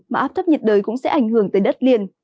mà áp thấp nhiệt đới cũng sẽ ảnh hưởng tới đất liền